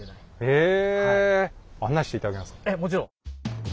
ええもちろん。